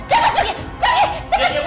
cepat pergi pergi cepat